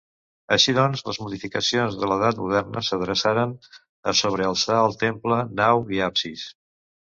Així doncs, les modificacions de l'edat moderna s'adreçaren a sobrealçar el temple, nau i absis.